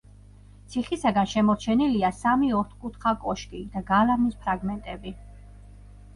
ციხისაგან შემორჩენილია სამი ოთხკუთხა კოშკი და გალავნის ფრაგმენტები.